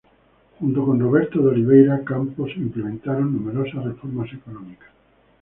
Junto con Roberto de Oliveira Campos implementaron numerosas reformas económicas.